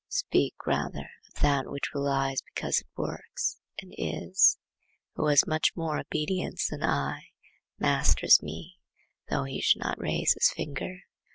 Speak rather of that which relies because it works and is. Who has more obedience than I masters me, though he should not raise his finger.